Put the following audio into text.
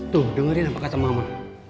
tuh dengerin apa kata sama mama